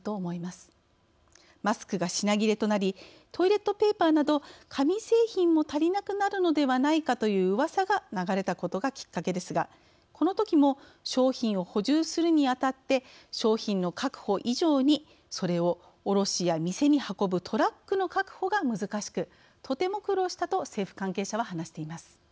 マスクが品切れとなりトイレットペーパーなど紙製品も足りなくなるのではないかといううわさが流れたことがきっかけですがこのときも商品を補充するにあたって商品の確保以上にそれを卸や店に運ぶトラックの確保が難しくとても苦労したと政府関係者は話しています。